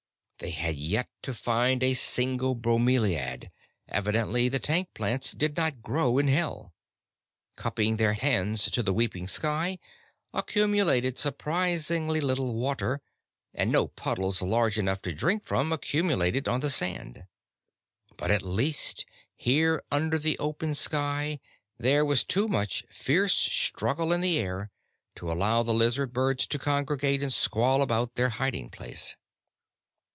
They had yet to find a single bromelaid: evidently the tank plants did not grow in Hell. Cupping their hands to the weeping sky accumulated surprisingly little water; and no puddles large enough to drink from accumulated on the sand. But at least, here under the open sky, there was too much fierce struggle in the air to allow the lizard birds to congregate and squall about their hiding place.